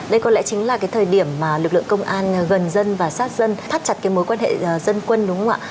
đây có lẽ chính là cái thời điểm mà lực lượng công an gần dân và sát dân thắt chặt cái mối quan hệ dân quân đúng không ạ